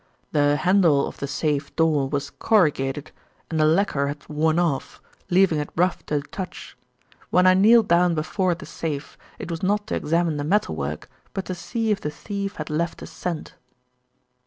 "The handle of the safe door was corrugated, and the lacquer had worn off, leaving it rough to the touch. When I kneeled down before the safe it was not to examine the metal work, but to see if the thief had left a scent."